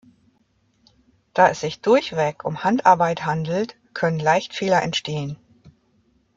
Da es sich durchweg um Handarbeit handelt, können leicht Fehler entstehen.